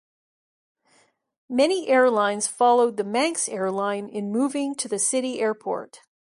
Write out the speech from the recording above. Many airlines followed the Manx airline in moving to the City airport.